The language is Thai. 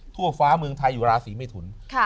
ทั่วฟ้าเมืองไทยอยู่ราศีเมทุน